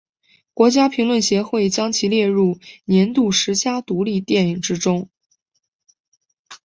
国家评论协会将其列入年度十佳独立电影之中。